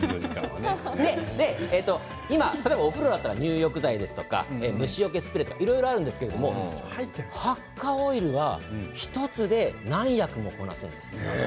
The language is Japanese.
例えばお風呂だったら入浴剤虫よけスプレーとかいろいろあるんですけれどもハッカオイルは１つで何役もこなすんです。